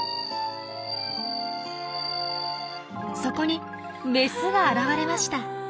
そこにメスが現れました。